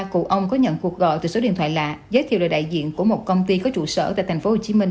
cụ ông có nhận cuộc gọi từ số điện thoại lạ giới thiệu được đại diện của một công ty có trụ sở tại tp hcm